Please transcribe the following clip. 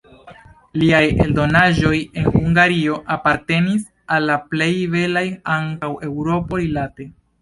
Liaj eldonaĵoj en Hungario apartenis al la plej belaj ankaŭ Eŭropo-rilate.